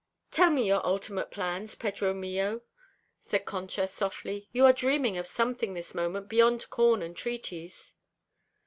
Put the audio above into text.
"Tell me your ultimate plans, Pedro mio," said Concha softly. "You are dreaming of something this moment beyond corn and treaties."